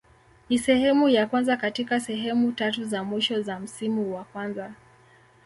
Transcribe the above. Ni sehemu ya kwanza katika sehemu tatu za mwisho za msimu wa kwanza.